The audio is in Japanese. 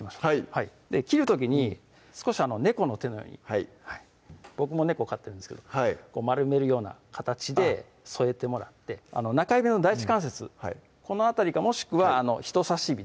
はい切る時に少し猫の手のように僕も猫飼ってるんですけど丸めるような形で添えてもらって中指の第一関節この辺りかもしくは人さし指